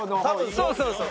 そうそうそう。